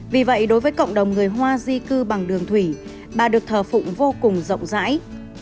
vì vậy đối với cộng đồng người hoa di cư bằng đường thủy bà được thờ phụng vô cùng rộng rãi